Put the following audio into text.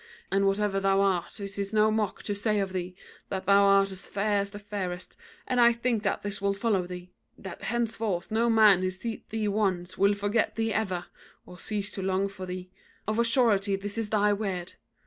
And whatever thou art, it is no mock to say of thee, that thou art as fair as the fairest; and I think that this will follow thee, that henceforth no man who seeth thee once will forget thee ever, or cease to long for thee: of a surety this is thy weird.